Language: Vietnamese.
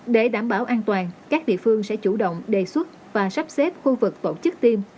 để đảm bảo an toàn các địa phương sẽ chủ động đề xuất và sắp xếp khu vực tổ chức tiêm